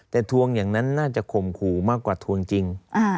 แต่ทวงอย่างนั้นน่าจะข่มขู่มากกว่าทวงจริง